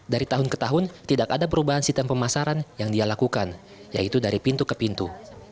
dari tahun ke tahun tidak ada perubahan sistem pemasaran yang dia lakukan yaitu dari pintu ke pintu